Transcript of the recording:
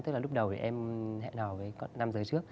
tức là lúc đầu em hẹn hò với con nam giới trước